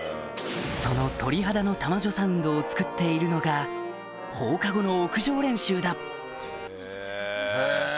その鳥肌の玉女サウンドをつくっているのが放課後の屋上練習だへぇ！